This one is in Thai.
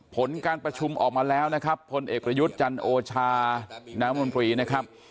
ผลการประชุมออกมาแล้วนะครับพลเอกประยุทธ์จันโอชาน้ำมนตรีนะครับ